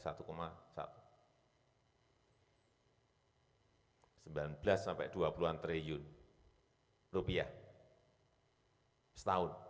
sembilan belas sampai dua puluh an triliun rupiah setahun